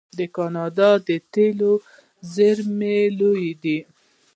د کاناډا د تیلو زیرمې لویې دي.